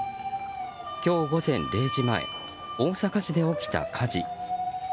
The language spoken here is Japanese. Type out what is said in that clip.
今日午前０時前大阪市で起きた火事。